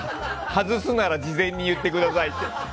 外すなら事前に言ってくださいって。